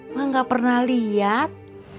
ma nggak pernah lihat